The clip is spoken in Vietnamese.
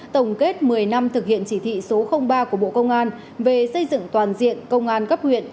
tổng kết một mươi năm thực hiện chỉ thị số ba của bộ công an về xây dựng toàn diện công an cấp huyện